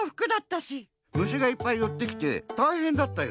むしがいっぱいよってきてたいへんだったよ。